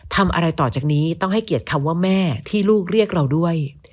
ทำอะไรต่อจากนี้ต้องให้เกียรติคำว่าแม่ที่ลูกเรียกเราด้วย